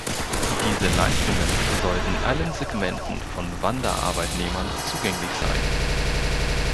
Diese Leistungen sollten allen Segmenten von Wanderarbeitnehmern zugänglich sein.